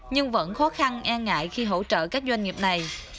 nhưng vẫn khó khăn e ngại khi hỗ trợ các doanh nghiệp này